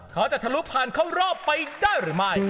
ทะลุผ่านเข้ารอบไปได้หรือไม่